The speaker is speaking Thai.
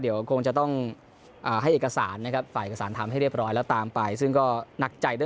เดินหน้าสู้ต่อไปนะครับ